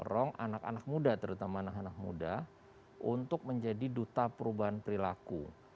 rong anak anak muda terutama anak anak muda untuk menjadi duta perubahan perilaku